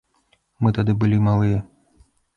Мы тады былі малыя.